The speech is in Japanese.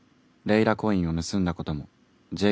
「レイラコインを盗んだことも」